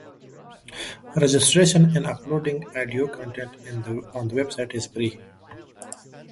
Registration and uploading audio content on the website is free.